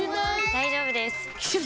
大丈夫です！